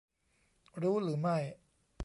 รู้หรือไม่ !